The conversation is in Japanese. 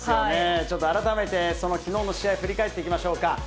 ちょっと改めて、きのうの試合、振り返っていきましょうか。